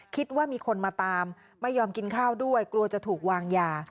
คิดว่ามีคนมาตามไม่ยอมกินข้าวด้วยกลัวจะถูกวางยา